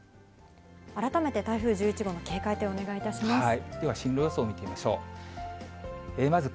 改めて、台風１１号の警戒点をお願いいたします。